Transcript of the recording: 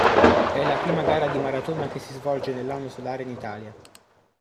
È la prima gara di maratona che si svolge nell'anno solare in Italia.